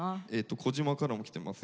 小島からもきてます。